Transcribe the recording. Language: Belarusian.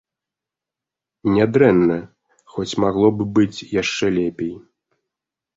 Нядрэнна, хоць магло б быць яшчэ лепей.